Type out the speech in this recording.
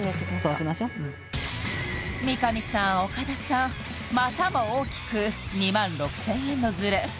そうしましょ三上さん岡田さんまたも大きく２万６０００円のズレ